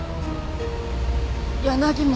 柳本？